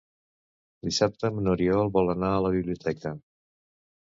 Dissabte n'Oriol vol anar a la biblioteca.